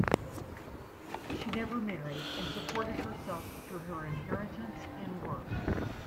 She never married and supported herself through her inheritance and work.